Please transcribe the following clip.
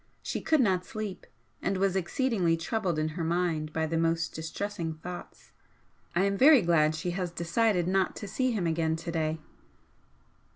She could not sleep, and was exceedingly troubled in her mind by the most distressing thoughts. I am very glad she has decided not to see him again to day."